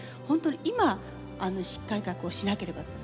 本当に今意識改革をしなければ。